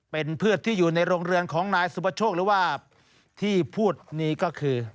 เป็นเพื่อนที่อยู่ในโรงเรือนของนายสุประโชคหรือว่าที่พูดนี้ก็คือ